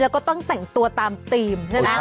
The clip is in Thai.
แล้วก็ต้องแต่งตัวตามธีม